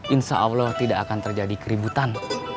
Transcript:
insya allah tidak akan terjadi keributan